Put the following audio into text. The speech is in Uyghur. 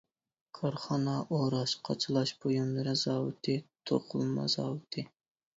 كارخانا ئوراش-قاچىلاش بۇيۇملىرى زاۋۇتى، توقۇلما زاۋۇتى.